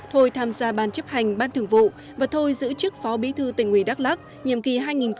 thôi tham gia ban chấp hành ban thường vụ và thôi giữ chức phó bí thư tỉnh ủy đắk lắc nhiệm kỳ hai nghìn một mươi năm hai nghìn hai mươi